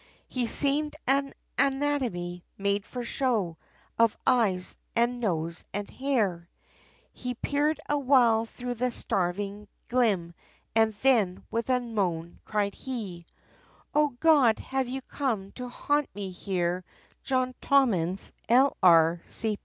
He seemed an anatomy, made for show, of eyes, and nose, and hair, He peered awhile thro' the starving glim, and then, with a moan cried he, "O God, have you come to haunt me here, John Tommins, L.R.